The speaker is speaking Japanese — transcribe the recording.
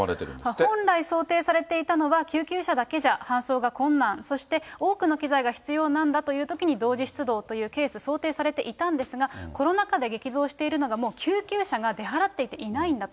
本来想定されていたのは、救急車だけじゃ搬送が困難、そして多くの機材が必要なんだというときに同時出動というケース想定されていたんですが、コロナ禍で激増しているのが、もう、救急車が出払っていていないんだと。